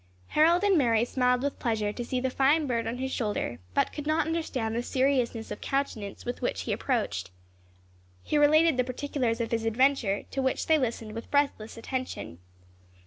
Harold and Mary smiled with pleasure to see the fine bird on his shoulder, but could not understand the seriousness of countenance with which he approached. He related the particulars of his adventure, to which they listened with breathless attention.